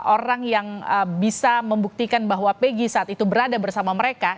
orang yang bisa membuktikan bahwa peggy saat itu berada bersama mereka